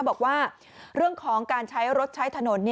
บอกว่าเรื่องของการใช้รถใช้ถนน